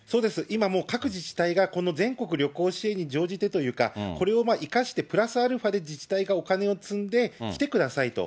今、もう各自治体が、この全国旅行支援に乗じてというか、これを生かして、プラスアルファで自治体がお金を積んで、来てくださいと。